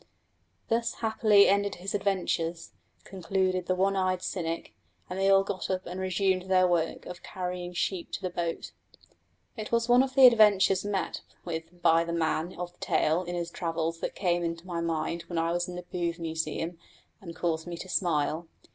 "Thus happily ended his adventures," concluded the one eyed cynic, and they all got up and resumed their work of carrying sheep to the boat. It was one of the adventures met with by the man of the tale in his travels that came into my mind when I was in the Booth Museum, and caused me to smile.